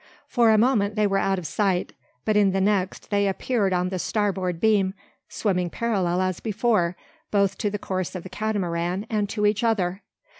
For a moment they were out of sight; but in the next they appeared on the starboard beam, swimming parallel as before, both to the course of the Catamaran and to each other.